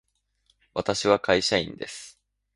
私は会社員です。